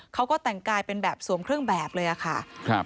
เขาก็แต่งกายเป็นสวมครึ่งแบบเลยอ่ะค่ะ